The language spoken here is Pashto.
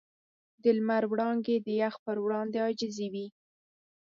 د لمر وړانګې د یخ پر وړاندې عاجزې وې.